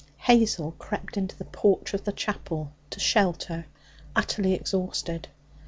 Hazel crept into the porch of the chapel to shelter, utterly exhausted.